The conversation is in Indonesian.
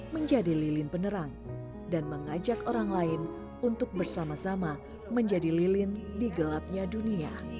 menjadi lilin penerang dan mengajak orang lain untuk bersama sama menjadi lilin di gelapnya dunia